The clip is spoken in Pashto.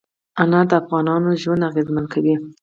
انار د افغانانو ژوند اغېزمن کوي.